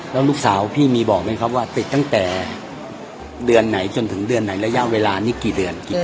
แล้วลูกสาวพี่มีบอกไหมครับว่าติดตั้งแต่เดือนไหนจนถึงเดือนไหนระยะเวลานี้กี่เดือนกี่เดือน